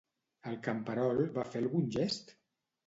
El camperol va fer algun gest?